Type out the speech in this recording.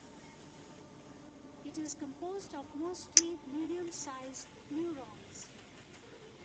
It is composed of mostly medium-size neurons.